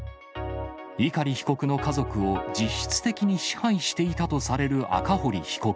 碇被告の家族を実質的に支配していたとされる赤堀被告。